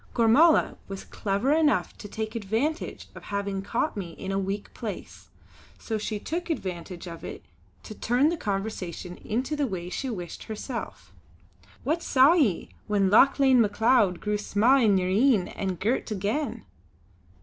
Gormala was clever enough to take advantage of having caught me in a weak place; so she took advantage of it to turn the conversation into the way she wished herself: "What saw ye, when Lauchlane Macleod grew sma' in yer een, and girt again?"